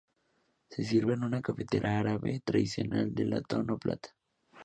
Se sirve en una cafetera árabe tradicional de latón o plata.